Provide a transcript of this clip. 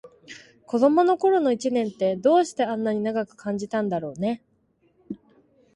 子どもの頃の一年って、どうしてあんなに長く感じたんだろうね。